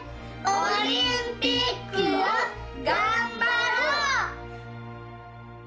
オリンピックを頑張ろう！